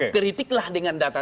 kritiklah dengan data